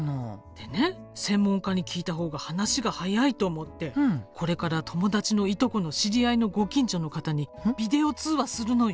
でね専門家に聞いた方が話が早いと思ってこれから友達のいとこの知り合いのご近所の方にビデオ通話するのよ。